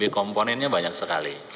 komponennya banyak sekali